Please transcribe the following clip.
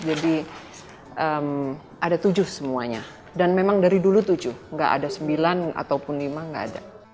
ada tujuh semuanya dan memang dari dulu tujuh nggak ada sembilan ataupun lima nggak ada